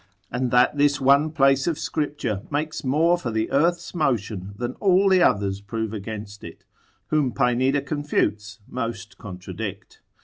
and that this one place of scripture makes more for the earth's motion than all the other prove against it; whom Pineda confutes most contradict.